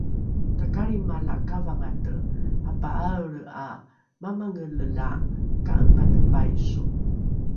takalrima la kavangate apaaelre ’a mamangele la ka’epate paiso